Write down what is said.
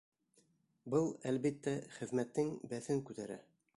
Был, әлбиттә, хеҙмәттең бәҫен күтәрә.